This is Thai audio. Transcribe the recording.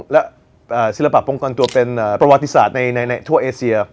และศิลปะป้องกันตัวเป็นประวัติศาสตร์ในทั่วเอเซีย